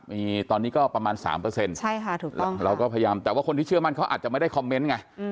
มีตอนนี้ก็ประมาณ๓เราก็พยายามแต่ว่าคนที่เชื่อมั่นเขาอาจจะไม่ได้คอมเมนต์ไง